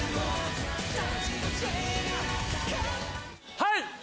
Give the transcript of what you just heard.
はい！